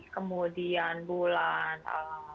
kemudian bulan april juli dan oktober